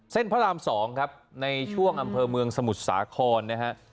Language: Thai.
พระราม๒ครับในช่วงอำเภอเมืองสมุทรสาครนะฮะ